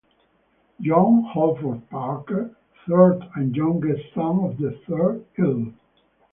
John Holford Parker, third and youngest son of the third Earl.